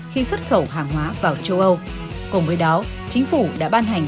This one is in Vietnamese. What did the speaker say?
khi xuất khẩu hàng hóa vào châu âu cùng với đó chính phủ đã ban hành